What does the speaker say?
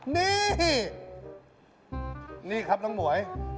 นี่นี่ครับน้องหมวย